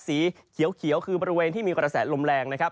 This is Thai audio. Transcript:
สีเขียวคือบริเวณที่มีกระแสลมแรงนะครับ